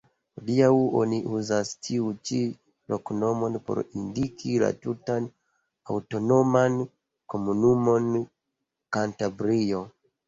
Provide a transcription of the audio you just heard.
Hodiaŭ oni uzas tiun ĉi loknomon por indiki la tutan aŭtonoman komunumon Kantabrio.